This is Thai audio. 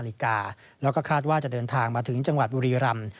นาฬิกาแล้วก็คาดว่าจะเดินทางมาถึงจังหวัดบุรีรำ